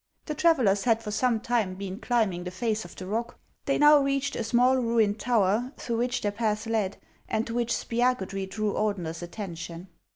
The travellers had for some time been climbing the face of the rock ; they now reached a small, ruined tower, through which their path led, and to which Spiagudry drew Ordener's attention.